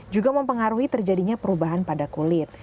juga mempengaruhi terjadinya perubahan pada kulit